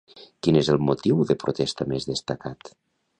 Quin és el motiu de protesta més destacat?